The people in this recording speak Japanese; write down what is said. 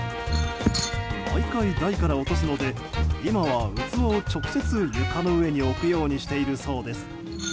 毎回、台から落とすので今は器を直接、床の上に置くようにしているそうです。